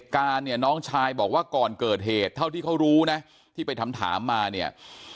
ก่อนเกิดเหตุเท่าที่เขารู้นะที่ไปทำถามมาเนี่ย